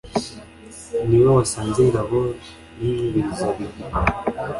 Ni we wasanze ingabo y'Ingwizabigwi